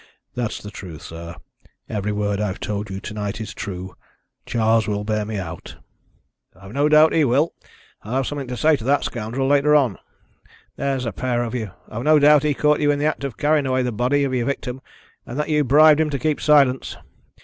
That's the truth, sir every word I've told you to night is true! Charles will bear me out." "I've no doubt he will. I'll have something to say to that scoundrel later on. There's a pair of you. I've no doubt he caught you in the act of carrying away the body of your victim, and that you bribed him to keep silence.